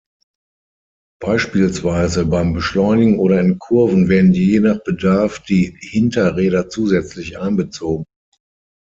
Beispielsweise beim Beschleunigen oder in Kurven werden je nach Bedarf die Hinterräder zusätzlich einbezogen.